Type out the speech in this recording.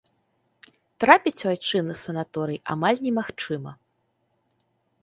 Трапіць у айчынны санаторый амаль немагчыма.